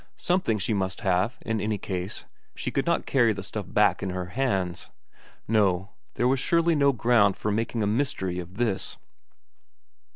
Something she must have, in any case; she could not carry the stuff back in her hands. No, there was surely no ground for making a mystery of this.